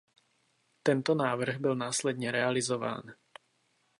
Tento návrh byl následně realizován.